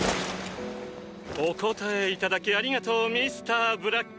お答えいただきありがとうミスターブラック。